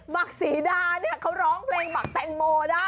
บักสีดาเขาร้องเพลงบักแตงโมได้